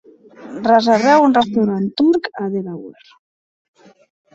reserveu un restaurant turc a Delaware